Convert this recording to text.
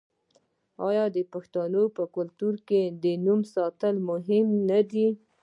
آیا د پښتنو په کلتور کې د نوم ساتل مهم نه دي؟